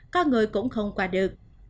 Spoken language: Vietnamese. có người cũng không qua được